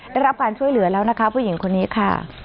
ได้รับการช่วยเหลือแล้วนะคะผู้หญิงคนนี้ค่ะ